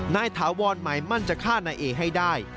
ถาวรหมายมั่นจะฆ่านายเอให้ได้